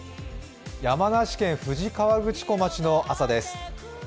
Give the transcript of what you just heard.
山梨県富士河口湖町の朝です。